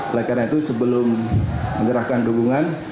oleh karena itu sebelum menyerahkan dukungan